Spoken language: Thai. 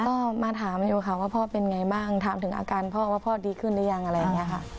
ก็มาถามอยู่ค่ะว่าพ่อเป็นไงบ้างถามถึงอาการพ่อว่าพ่อดีขึ้นหรือยังอะไรอย่างนี้ค่ะ